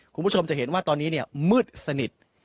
คุณผู้ชมจะเห็นว่าตอนนี้เนี่ยมืดสนิท